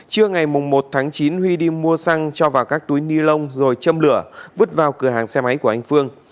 trưa ngày một tháng chín huy đi mua xăng cho vào các túi ni lông rồi châm lửa vứt vào cửa hàng xe máy của anh phương